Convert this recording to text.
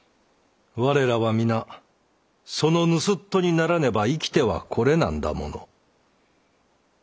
我らは皆その盗人にならねば生きてはこれなんだ者。